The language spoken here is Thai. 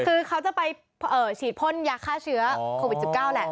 คือเขาจะไปฉีดพ่นยาฆ่าเชื้อโควิด๑๙แหละ